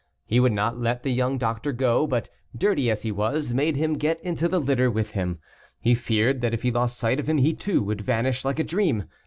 He would not let the young doctor go, but, dirty as he was, made him get into the litter with him; he feared that if he lost sight of him, he too would vanish like a dream.